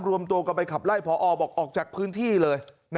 รวมตัวกันไปขับไล่พอบอกออกจากพื้นที่เลย